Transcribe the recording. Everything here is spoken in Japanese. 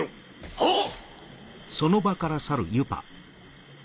はっ！